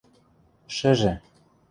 Шӹжӹ...